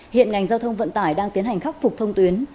hiện ngành giao thông vận tải đang tiến hành khắc phục thông tuyến